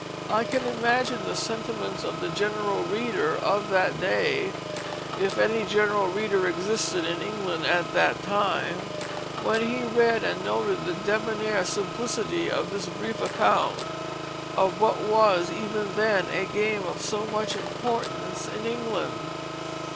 I can imagine the sentiments of the general reader of that day (if any general reader existed in England at that time), when he read and noted the debonair simplicity of this brief account of what was even then a game of so much importance in England.